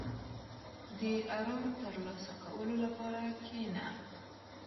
• د آرام ترلاسه کولو لپاره کښېنه.